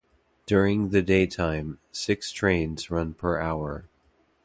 During the daytime, six trains run per hour.